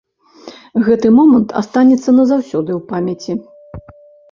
Гэты момант астанецца назаўсёды ў памяці.